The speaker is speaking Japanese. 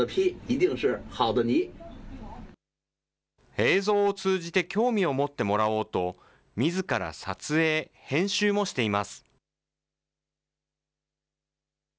映像を通じて興味を持ってもらおうと、みずから撮影、編集もしています。